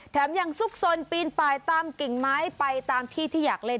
ยังซุกสนปีนปลายตามกิ่งไม้ไปตามที่ที่อยากเล่น